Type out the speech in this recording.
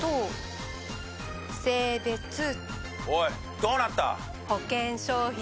おいどうなった？